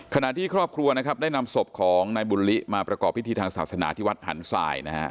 ที่ครอบครัวนะครับได้นำศพของนายบุญลิมาประกอบพิธีทางศาสนาที่วัดหันทรายนะฮะ